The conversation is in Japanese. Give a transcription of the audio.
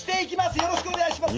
よろしくお願いします。